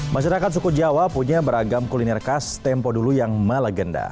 masyarakat suku jawa punya beragam kuliner khas tempo dulu yang melegenda